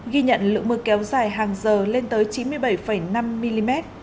ghi nhận lượng mưa kéo dài hàng giờ lên tới chín mươi bảy năm mm